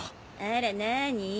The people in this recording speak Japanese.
あらなに？